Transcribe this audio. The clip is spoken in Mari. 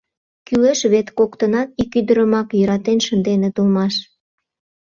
Кӱлеш вет — коктынат ик ӱдырымак йӧратен шынденыт улмаш.